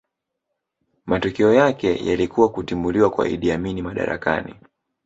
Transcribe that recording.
Matokeo yake yalikuwa kutimuliwa kwa Idi Amin madarakani